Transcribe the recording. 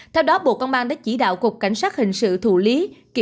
theo đó bộ công an đã chỉ đạo cục cảnh sát hình sự thủ lý